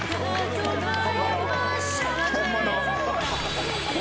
すごい！